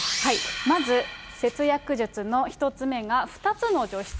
まず、節約術の１つ目が、２つの除湿。